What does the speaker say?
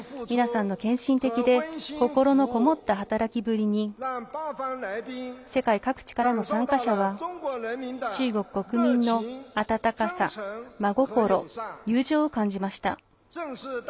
皆さんの献身的で心のこもった働きぶりに世界各地からの参加者は中国国民の温かさ、真心友情を感じました。